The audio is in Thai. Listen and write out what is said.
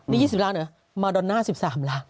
นี่๒๐ล้านเหรอมาดอนน่า๑๓ล้าน